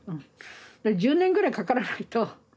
１０年ぐらいかからないと。